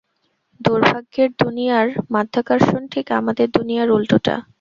দুর্ভাগ্যের দুনিয়ার মাধ্যাকর্ষণ ঠিক আমাদের দুনিয়ার উল্টোটা।